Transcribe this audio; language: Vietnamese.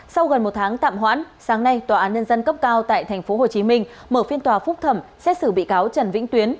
sau gần một tháng tạm hoãn sáng nay tòa án nhân dân cấp cao tại tp hcm mở phiên tòa phúc thẩm xét xử bị cáo trần vĩnh tuyến